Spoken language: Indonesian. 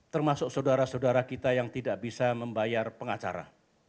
termasuk saudara saudara kita yang tidak bisa membayar pengacara